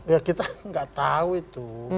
ya kita nggak tahu itu